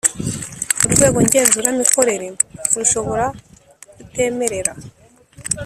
Urwego ngenzuramikorere rushobora kutemerera